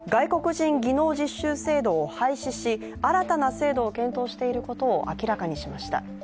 政府の有識者会議は外国人技能実習制度を廃止し新たな制度を検討していることを明らかにしました。